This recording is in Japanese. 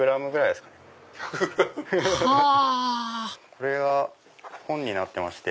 これが本になってまして。